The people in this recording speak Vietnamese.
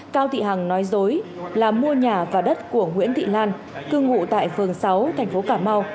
cao thị hằng nói dối là mua nhà và đất của nguyễn thị lan cư ngụ tại phường sáu thành phố cà mau